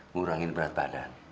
ngurangin berat badan